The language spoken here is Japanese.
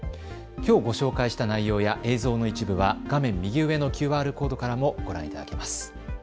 きょうご紹介した内容や映像の一部は画面右上のＱＲコードからもご覧いただけます。